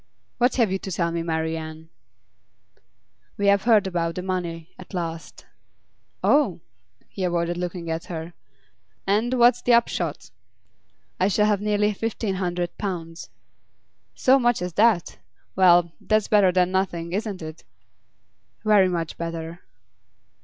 'What have you to tell me, Marian?' 'We have heard about the money, at last.' 'Oh?' He avoided looking at her. 'And what's the upshot?' 'I shall have nearly fifteen hundred pounds.' 'So much as that? Well, that's better than nothing, isn't it?' 'Very much better.